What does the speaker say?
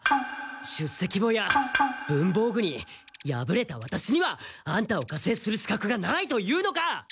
出席簿や文房具に敗れたワタシにはアンタを加勢する資格がないというのか！